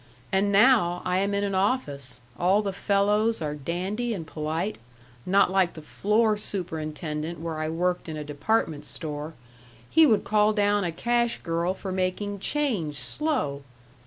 And now I am in an office all the fellows are dandy and polite not like the floor superintendent where I worked in a department store; he would call down a cash girl for making change slow